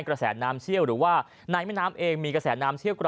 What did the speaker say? กระแสน้ำเชี่ยวหรือว่าในแม่น้ำเองมีกระแสน้ำเชี่ยวกรา